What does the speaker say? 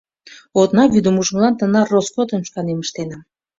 Одна вӱдым ужмылан тынар роскотым шканем ыштенам.